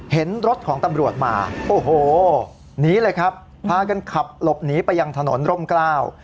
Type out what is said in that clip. เห็นรถของตำรวจมาโอ้โหหนีเลยครับพากันขับหลบหนีไปยังถนนร่มกล้าว